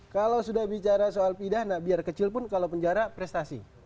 kalau sudah bicara soal pidana biar kecil pun kalau penjara prestasi